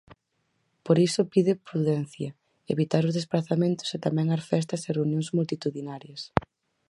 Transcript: Por iso pide prudencia, evitar os desprazamentos e tamén as festas e reunións multitudinarias.